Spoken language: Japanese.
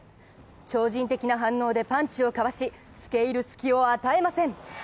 超人的な反応でパンチをかわしつけいる隙を与えません。